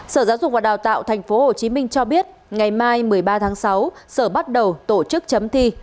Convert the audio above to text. sở giáo dục và đào tạo tp hcm cho biết ngày mai một mươi ba tháng sáu sở bắt đầu tổ chức chấm thi